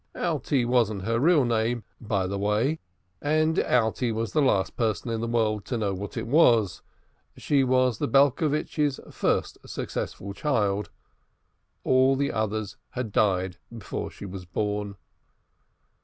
Alte wasn't her real name, by the way, and Alte was the last person in the world to know what it was. She was the Belcovitches' first successful child; the others all died before she was born.